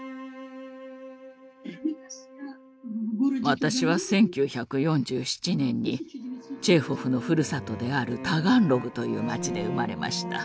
私は１９４７年にチェーホフのふるさとであるタガンログという町で生まれました。